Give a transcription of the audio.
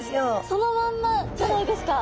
そのまんまじゃないですか。